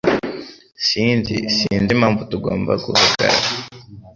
Sinzi Sinzi impamvu tugomba guhagarara